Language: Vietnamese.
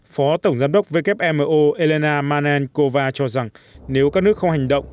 phó tổng giám đốc wmo elena manenkova cho rằng nếu các nước không hành động